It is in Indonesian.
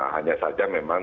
hanya saja memang